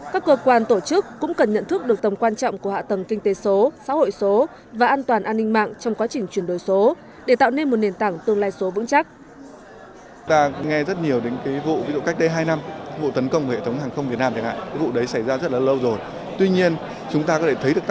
các cơ quan tổ chức cũng cần nhận thức được tầm quan trọng của hạ tầng kinh tế số xã hội số và an toàn an ninh mạng trong quá trình chuyển đổi số để tạo nên một nền tảng tương lai số vững chắc